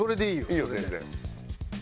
いいよ全然。